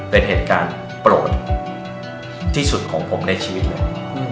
เป็นเหตุการณ์โปรดที่สุดของผมในชีวิตเลย